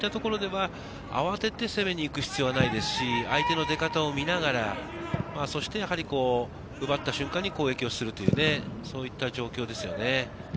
慌てて攻めに行く必要はないですし、相手の出方を見ながら、そして奪った瞬間に攻撃をするというね、そういう状況ですね。